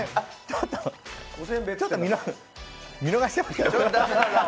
ちょっと見逃してました。